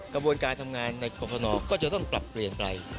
กระบวนการทำงานในกรฟนก็จะต้องปรับเปลี่ยนไป